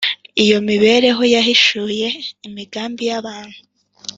. Iyo mibereho yahishuye imigambi y’abantu